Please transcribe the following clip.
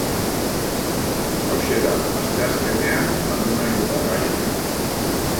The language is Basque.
Hauxe da asteazkenean landu nahi dugun gaia.